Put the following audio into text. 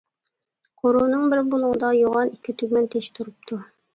قورۇنىڭ بىر بۇلۇڭىدا يوغان ئىككى تۈگمەن تېشى تۇرۇپتۇ.